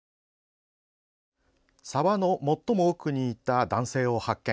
沢の最も奥にいた男性を発見。